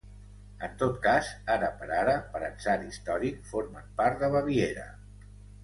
En tot cas, ara per ara, per atzar històric, formen part de Baviera.